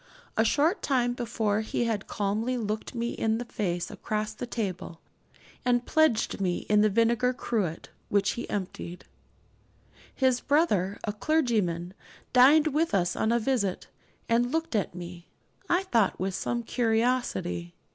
A short time before he had calmly looked me in the face across the table, and pledged me in the vinegar cruet, which he emptied. His brother, a clergyman, dined with us on a visit, and looked at me, I thought, with some curiosity.